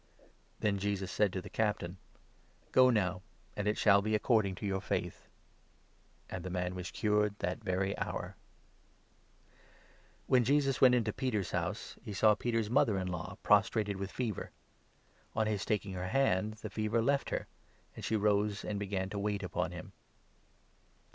Then Jesus said to the Captain : 13 " Go now, and it shall be according to your faith." And the man was cured that very hour. When Jesus went into Peter's house, he saw 14 of Peter1 Peter's mother in law prostrated with fever. On 1 5 Mother in. Law his taking her hand, the fever left her, and she and of many rose and began to wait upon him.